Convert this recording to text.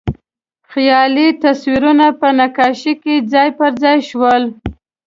خیالي تصویرونه په نقاشۍ کې ځای پر ځای شول.